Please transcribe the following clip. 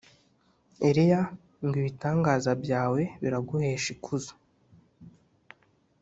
Eliya, ngo ibitangaza byawe biraguhesha ikuzo!